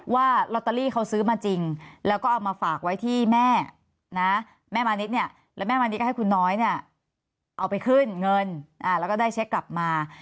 ว่าลอตเตอรี่เขาซื้อมาจริงแล้วก็เอามาฝากไว้ที่แม่นะแม่มานิดเนี่ยแล้วแม่มานิดก็ให้คุณน้อยเนี่ยเอาไปขึ้นเงินแล้วก็ได้เช็คกลับมา